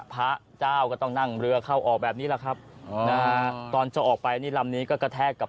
พระเจ้าก็ต้องนั่งเรือเข้าออกแบบนี้แหละครับนะฮะตอนจะออกไปนี่ลำนี้ก็กระแทกกับ